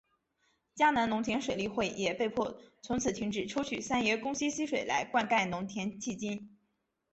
嘉南农田水利会也被迫从此停止抽取三爷宫溪溪水来灌溉农田迄今。